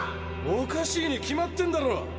おかしいに決まってんだろ。